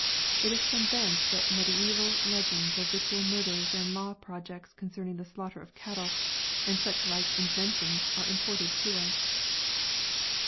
It is from thence that mediæval legends of ritual murders and law projects concerning the slaughter of cattle, and such like inventions, are imported to us.